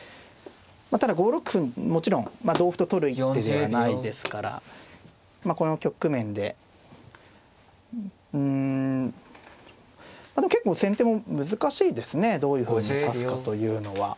ただ５六歩もちろん同歩と取る一手ではないですからまあこの局面でうんでも結構先手も難しいですねどういうふうに指すかというのは。